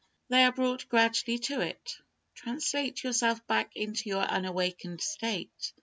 They are brought gradually to it. Translate yourself back into your unawakened state.